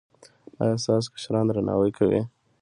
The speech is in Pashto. ایا ستاسو کشران درناوی کوي؟